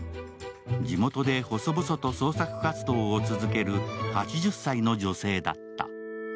地元で細々と創作活動を続ける８０歳の女性だった。